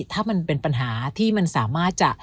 ถ้ามันเป็นปัญหาที่มันสามารถจะ